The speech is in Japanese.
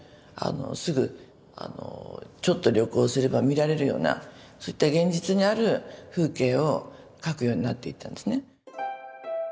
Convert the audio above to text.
すぐちょっと旅行すれば見られるようなそういった現実にある風景を描くようになっていったんですね。